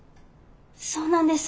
そうなんです。